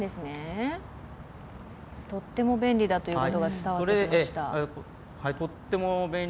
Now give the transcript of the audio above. とっても便利だということが伝わりました。